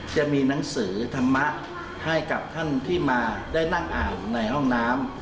จะมีหนังสือธรรมะให้กับท่านที่มาได้นั่งอ่านในห้องน้ำ